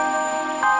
leva lagi susah